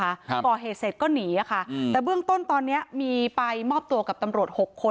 ครับก่อเหตุเสร็จก็หนีอ่ะค่ะอืมแต่เบื้องต้นตอนเนี้ยมีไปมอบตัวกับตำรวจหกคน